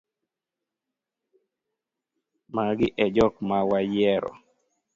Magi e jok mawayiero.